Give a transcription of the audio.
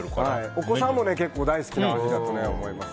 お子さんも結構大好きな味だと思います。